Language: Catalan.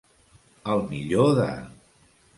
Al millor de.